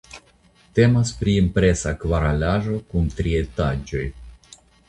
Temas pri impresa kvaralaĵo kun tri etaĝoj.